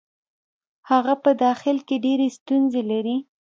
هغه په داخل کې ډېرې ستونزې لري.